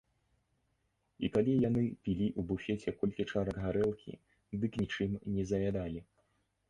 І калі яны пілі ў буфеце колькі чарак гарэлкі, дык нічым не заядалі.